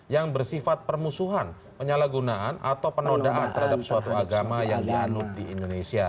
yang bersifat permusuhan penyalahgunaan atau penodaan terhadap suatu agama yang dianut di indonesia